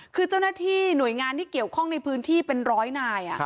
คือเจ้าหน้าที่หน่วยงานที่เกี่ยวข้องในพื้นที่เป็นร้อยนาย